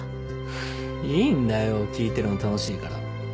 ははっいいんだよ聞いてるの楽しいから。